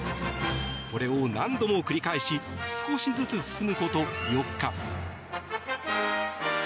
これを何度も繰り返し少しずつ進むこと４日。